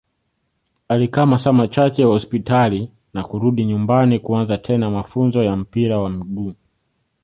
alikaa masaa machache hospitali na kurudi nyumbani kuanza tena mafunzo ya mpira wa miguu